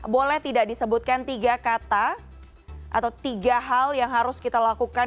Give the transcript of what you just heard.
boleh tidak disebutkan tiga kata atau tiga hal yang harus kita lakukan